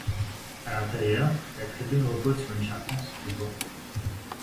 À l'intérieur, la tribune repose sur une charpente de bois.